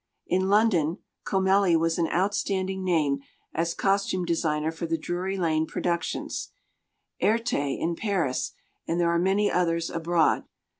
In London, Comelli was an outstanding name as costume designer for the Drury Lane productions; Erte, in Paris, and there are many others abroad.